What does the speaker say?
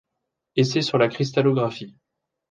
Essai sur la cristallographie.